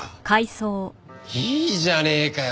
いいじゃねえかよ